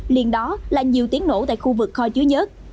liên đó là nhiều tiếng nổ tại khu vực kho chứa nhất